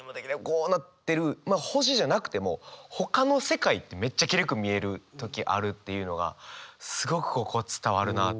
こうなってるまあ星じゃなくても他の世界ってめっちゃきれいく見える時あるっていうのがすごくここ伝わるなあ。